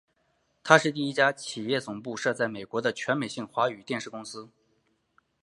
它是第一家企业总部设在美国的全美性华语电视公司。